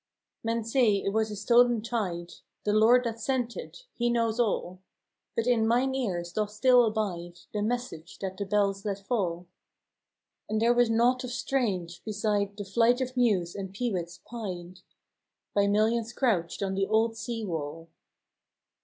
" Men say it was a stolen tyde — The Lord that sent it, He knows all; But in myne ears doth still abide The message that the bells let fall: And there was nought of strange, beside The flight of mews and peewits pied By millions crouched on the old sea wall.